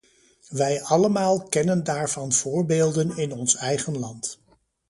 Wij allemaal kennen daarvan voorbeelden in ons eigen land.